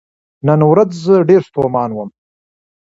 نن ورځ زه ډیر ستومان وم .